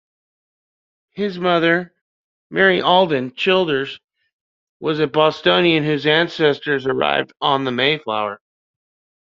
His mother, Mary Alden Childers was a Bostonian whose ancestors arrived on the "Mayflower".